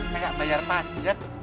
saya gak bayar pajak